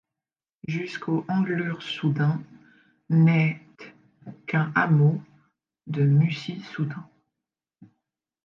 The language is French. Jusqu'au Anglure-sous-Dun n'est t qu'un hameau de Mussy-Sous-Dun.